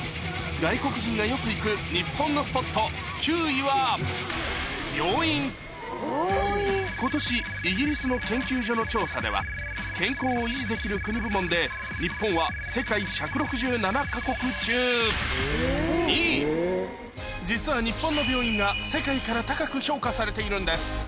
外国人がよく行く日本のスポット９位は今年イギリスの研究所の調査では健康を維持できる国部門で日本は世界１６７か国中実は日本の病院が世界から高く評価されているんです